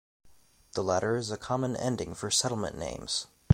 The latter is a common ending for settlement names.